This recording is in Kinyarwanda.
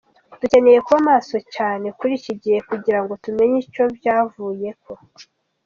"Dukeneye kuba maso cane muri iki gihe kugira tumenye ico vyavuyeko.